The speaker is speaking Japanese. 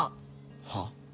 はあ？